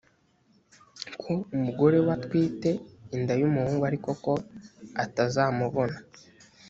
ko umugore we atwite inda y umuhungu ariko ko atazamubona